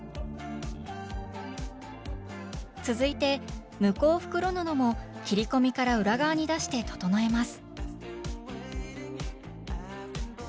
続いて向こう袋布も切り込みから裏側に出して整えます